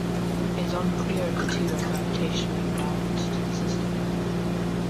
It is unclear if the two are gravitationally bound to the system.